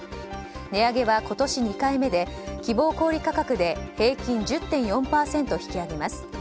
値上げは今年２回目で希望小売価格で平均１０．４％引き揚げます。